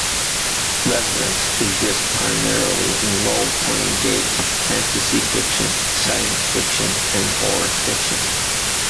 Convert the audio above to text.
Revenants exist primarily in role-playing games, fantasy fiction, science fiction, and horror fiction.